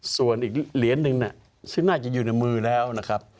ส่วนอีกเหรียญหนึ่งซึ่งน่าจะอยู่ในมือแล้วนะครับ